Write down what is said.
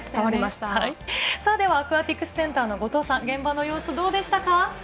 アクアティクスセンターの後藤さん、現場の様子はどうですか？